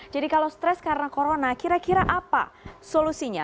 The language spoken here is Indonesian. kalau stres karena corona kira kira apa solusinya